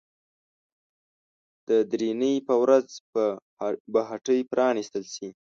د درېنۍ په ورځ به هټۍ پرانيستل شي.